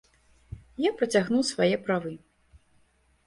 Я працягнуў свае правы.